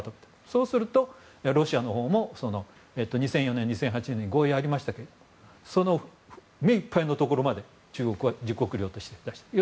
そうするとロシアのほうも２００４年と２００８年に合意がありましたけどその目いっぱいのところまで中国は自国領として出している。